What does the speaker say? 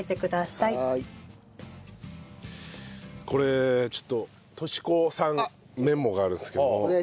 これちょっと敏子さんメモがあるんですけども。